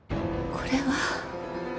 これは。